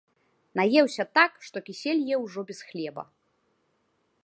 Наеўся так, што кісель еў ужо без хлеба.